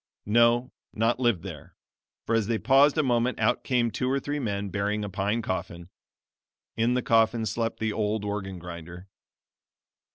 No not lived there, for as they paused a moment out came two or three men bearing a pine coffin. In the coffin slept the old organ grinder.